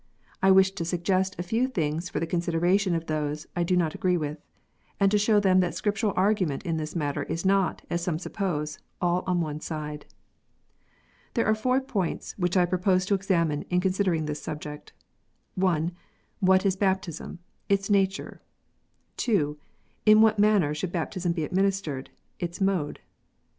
I wish to suggest a few things for the consideration of those I do not agree with, and to show them that the Scriptural argument in this matter is not, as some suppose, all on one side. There are four points which I propose to examine in considering the subject : I. What baptism is, its nature. II. In what manner baptism should be administered, its mode. III.